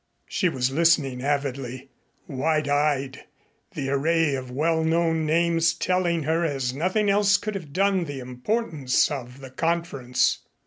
She was listening avidly, wide eyed, the array of well known names telling her as nothing else could have done the importance of the conference.